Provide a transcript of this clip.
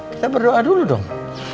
kita berdoa dulu dong